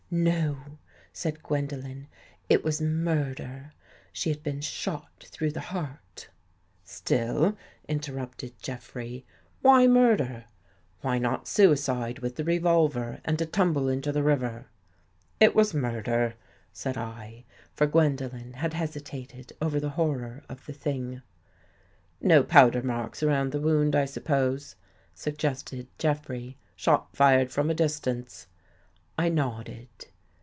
"" No," said Gwendolen, " it was — murder. She had been shot through the heart "" Still," interrupted Jeffrey, " why murder? Why 5 THE GHOST GIRL not suicide with the revolver and a tumble into the river? "" It was murder," said I, for Gwendolen had hesitated over the horror of the thing. " No powder marks around the wound, I sup pose," suggested Jeffrey. " Shot fired from a dis tance." I nodded.